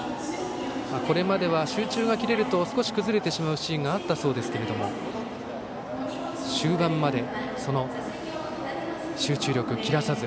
これまでは集中が切れると少し崩れてしまうシーンがあったそうですけれども終盤まで、その集中力を切らさず。